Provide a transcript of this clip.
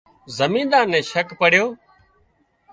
زمينۮار نين شڪ پڙيو